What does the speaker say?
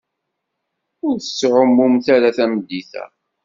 Ur tettɛumumt ara tameddit-a.